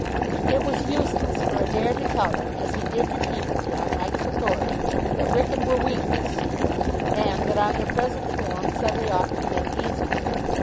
It was useless for Adair to tell them, as he did repeatedly, on Mike's authority, that Wrykyn were weak this season, and that on their present form Sedleigh ought to win easily.